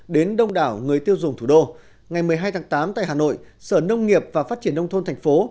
đến đông đảo người tiêu dùng thủ đô ngày một mươi hai tháng tám tại hà nội sở nông nghiệp và phát triển nông thôn thành phố